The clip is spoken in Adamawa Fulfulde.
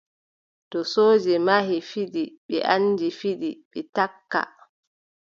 To sooje mahi fiɗi, ɓe anndi fiɗi, ɓe takka.